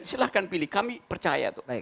silahkan pilih kami percaya